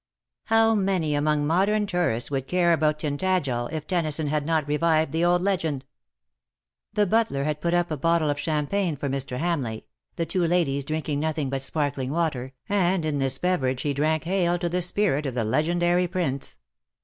How many among modern tourists would care about Tintagel if Tennyson had not revived the old legend ?" The butler had put up a bottle of champagne for Mr. Hamleigh — the two ladies drinking nothing but sparkling water — and in this beverage he drank hail to the spirit of the legendary prince.